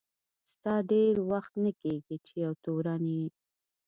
ستا ډېر وخت نه کیږي چي یو تورن یې.